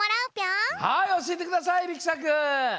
はいおしえてくださいりきさく！